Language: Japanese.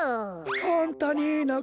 ホントにいいのか？